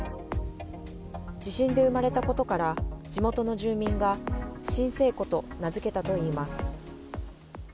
地震で生まれたことから地元の住民が震生湖と名付けたといいます。